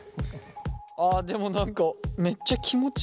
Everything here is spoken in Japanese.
あでも何かめっちゃ気持ちいい。